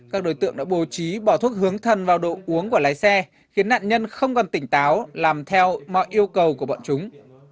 các đối tượng đã bố trí bỏ thuốc hướng thần vào độ uống của lái xe khiến nạn nhân không còn tỉnh táo làm theo mọi yêu cầu của bọn chúng